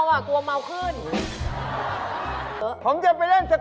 เฮ่ยเมาไปเที่ยวทะเลกัน